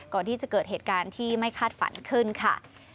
ก่อนที่จะเกิดเหตุการณ์ที่ไม่คาดฝันขึ้นค่ะ